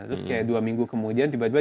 terus kayak dua minggu kemudian tiba tiba